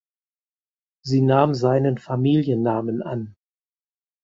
Sie nahm seinen Familiennamen an.